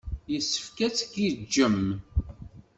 Yessefk ad tgiǧǧem.